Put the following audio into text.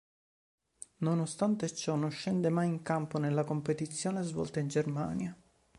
Nonostante ciò non scende mai in campo nella competizione svolta in Germania.